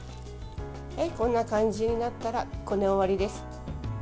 こんな感じになったらこね終わりです。